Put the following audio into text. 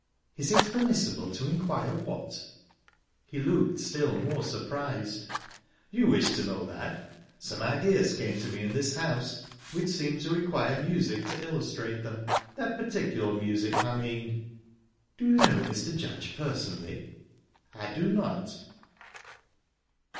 "Is it permissible to inquire what?" He looked still more surprised. "You wish to know that?...Some ideas came to me in this house which seemed to require music to illustrate them that particular music, I mean." "Do you know Mr. Judge personally?" "I do not."